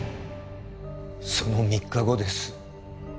その３日後です